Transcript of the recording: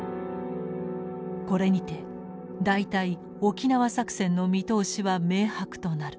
これにて大体沖縄作戦の見通しは明白となる。